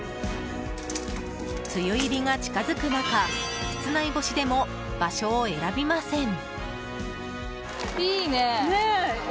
梅雨入りが近づく中室内干しでも場所を選びません。